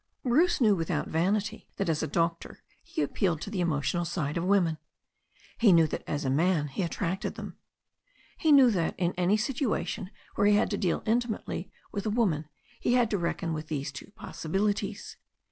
Bruce knew without vanity that as a doctor he appealed to the emotional side of women. He knew that as a man he attracted them. He knew that in any situation where he had to deal intimately with a woman he had to reckon with these two possibilities.